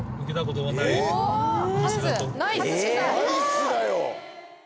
ナイスだよ！